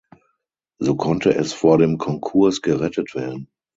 So konnte es vor dem Konkurs gerettet werden.